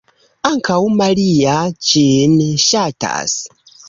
Ankaŭ Maria ĝin ŝatas.